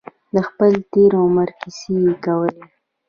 د خپل تېر عمر کیسې یې کولې.